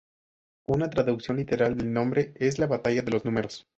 Una traducción literal del nombre es "la batalla de los números".